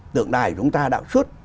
tượng đài chúng ta đạo suất